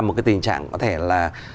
một cái tình trạng có thể là